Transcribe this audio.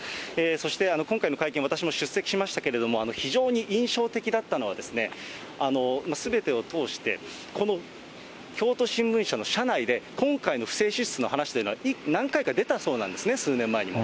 そして今回の会見、私も出席しましたけれども、非常に印象的だったのは、すべてを通してこの京都新聞社の社内で、今回の不正支出の話というのは何回か出たそうなんですね、数年前にも。